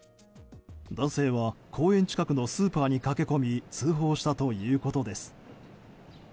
男性は公園近くのスーパーに駆け込み通報したということです。